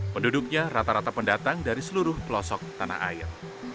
penduduknya rata rata pendatang dari seluruh pelosok tanah air